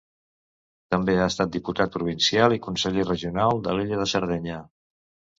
També ha estat diputat provincial i conseller regional de l'illa de Sardenya.